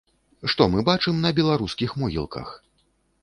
Што мы бачым на беларускіх могілках?